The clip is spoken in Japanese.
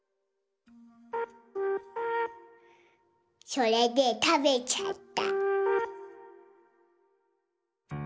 それでたべちゃった。